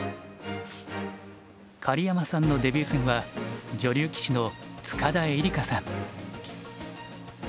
狩山さんのデビュー戦は女流棋士の塚田恵梨花さん。